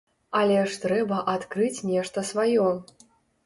Але ж трэба адкрыць нешта сваё.